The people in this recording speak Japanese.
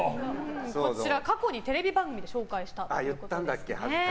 こちら過去にテレビ番組で紹介したという。